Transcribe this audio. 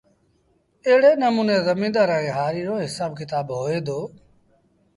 ايڙي نموٚني زميݩدآر ائيٚݩ هآريٚ رو هسآب ڪتآب هوئي دو